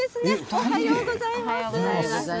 おはようございます。